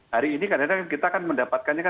hari ini karena kita akan mendapatkannya